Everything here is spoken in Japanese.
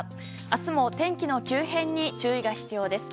明日も天気の急変に注意が必要です。